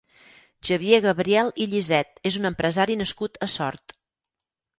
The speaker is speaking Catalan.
Xavier Gabriel i Lliset és un empresari nascut a Sort.